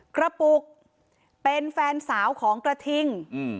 กระปุกเป็นแฟนสาวของกระทิง